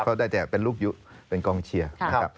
ก็ได้แจกเป็นลูกยุเป็นกองเชียร์